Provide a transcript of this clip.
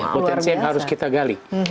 potensi yang harus kita gali